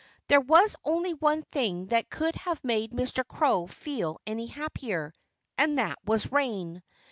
There was only one thing that could have made Mr. Crow feel any happier; and that was rain.